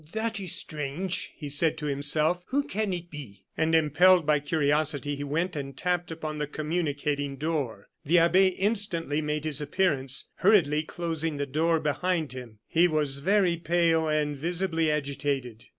"That is strange," he said to himself. "Who can it be?" And impelled by curiosity, he went and tapped upon the communicating door. The abbe instantly made his appearance, hurriedly closing the door behind him. He was very pale, and visibly agitated.